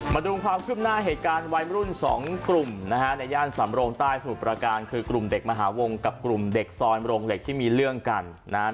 มาดูความคืบหน้าเหตุการณ์วัยรุ่นสองกลุ่มนะฮะในย่านสำโรงใต้สมุทรประการคือกลุ่มเด็กมหาวงกับกลุ่มเด็กซอยโรงเหล็กที่มีเรื่องกันนะครับ